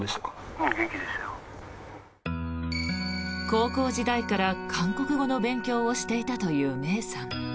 高校時代から韓国語の勉強をしていたという芽生さん。